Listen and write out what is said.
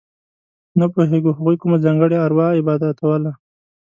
نه پوهېږو هغوی کومه ځانګړې اروا عبادتوله.